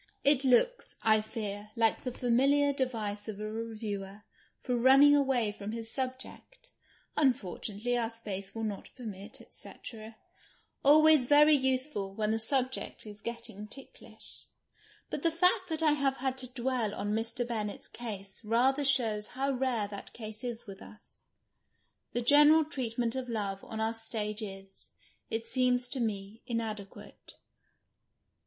It looks, I fear, like the fami liar device of a reviewer for running away from his subject —" imfortunately, our space will not permit, &c. '— always very usefid when the subject is getting ticklish. IJiit the fact that I have had to dwell on Mr. Bennett's case rather shows how rare that case is with us. The general treatment of love on our ktagc is, it seems to me, inadeipiate.